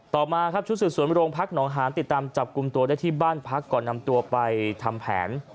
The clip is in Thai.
ต่อมาครับชุดสืบสวนโรงพักหนองหานติดตามจับกลุ่มตัวได้ที่บ้านพักก่อนนำตัวไปทำแผน